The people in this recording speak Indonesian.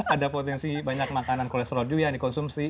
ada potensi banyak makanan kolesterol juga yang dikonsumsi